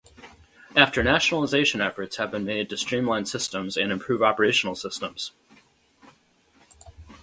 After nationalisation efforts have been made to streamline systems and improve operational systems.